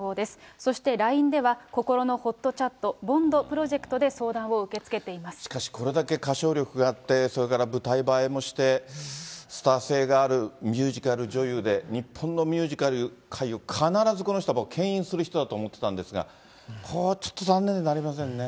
そしてＬＩＮＥではこころのほっとチャットＢＯＮＤプロジェクトしかしこれだけ歌唱力があって、それから舞台映えもして、スター性があるミュージカル女優で、日本のミュージカル界を必ずこの人はけん引する人だと思ってたんですが、これはちょっと残念でなりませんね。